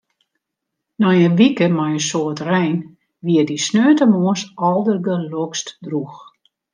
Nei in wike mei in soad rein wie it dy sneontemoarns aldergelokst drûch.